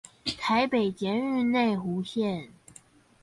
臺北捷運內湖線